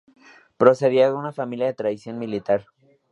Procedía de una familia de tradición militar.